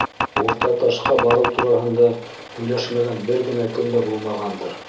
Уртаташҡа барыу тураһында һөйләшмәгән бер генә көн дә булмағандыр.